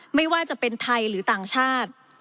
ไม่ว่าจะเป็นไทยหรือต่างชาติ